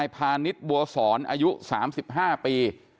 ถานิดบัวสรอายุ๓๕ปี